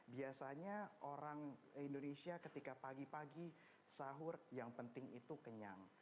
biasanya orang indonesia ketika pagi pagi sahur yang penting itu kenyang